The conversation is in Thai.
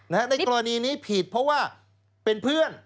ในกรณีนี้ผิดเพราะว่าเป็นเพื่อน